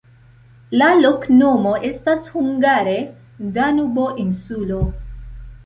La loknomo estas hungare: Danubo-insulo.